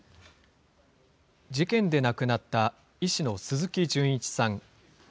事件で亡くなった医師の鈴木純一さん。